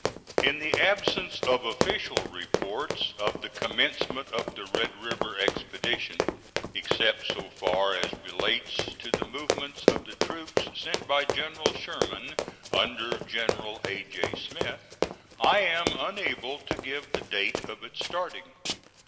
In the absence of official reports of the commencement of the Red River expedition, except so far as relates to the movements of the troops sent by General Sherman under General A. J. Smith, I am unable to give the date of its starting.